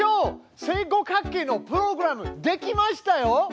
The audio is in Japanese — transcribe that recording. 正五角形のプログラムできましたよ！